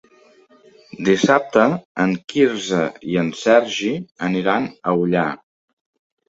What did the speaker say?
Dissabte en Quirze i en Sergi aniran a Ullà.